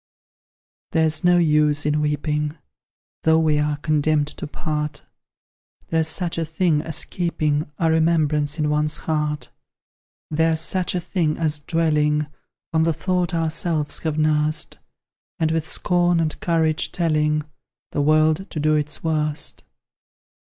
There's no use in weeping, Though we are condemned to part: There's such a thing as keeping A remembrance in one's heart: There's such a thing as dwelling On the thought ourselves have nursed, And with scorn and courage telling The world to do its worst.